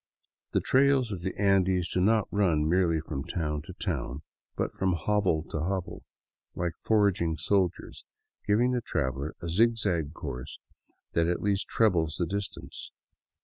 The trails of the Andes do not run merely from town to town, but from hovel to hovel, like foraging soldiers, giving the traveler a zigzag course that at least trebles the distance.